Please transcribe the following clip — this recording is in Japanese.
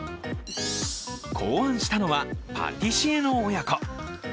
考案したのは、パティシエの親子。